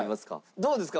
どうですか？